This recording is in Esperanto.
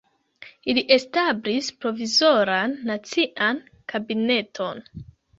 Ili establis Provizoran Nacian Kabineton.